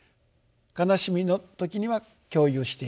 悲しみの時には共有していく。